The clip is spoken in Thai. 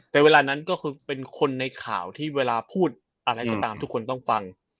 แต่เวลานั้นเป็นคนในข่าวที่พูดอะไรตามทุกคนต้องฟัง